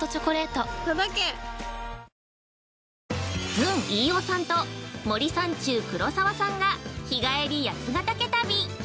◆ずん・飯尾さんと、森三中・黒沢さんが、日帰り八ヶ岳旅！